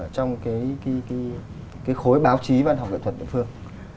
trong cái khối báo chí văn học nghệ thuật địa phương